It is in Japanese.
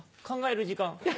考える時間。